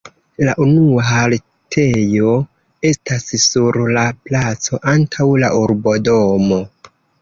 La unua haltejo estas sur la placo antaŭ la urbodomo.